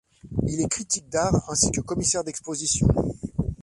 Il est critique d'art ainsi que commissaire d'expositions.